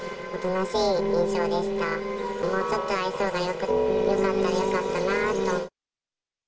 もうちょっと愛想がよかったらよかったなと。